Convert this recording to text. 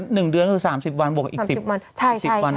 หนึ่งเดือนคือ๓๐วันบกก็อีก๑๐วัน